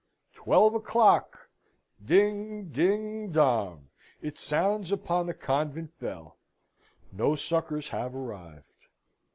Twelve o'clock, ding, ding, dong! it sounds upon the convent bell. No succours have arrived.